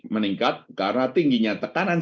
meningkat karena tingginya tekanan